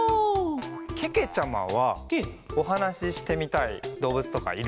けけちゃまはおはなししてみたいどうぶつとかいる？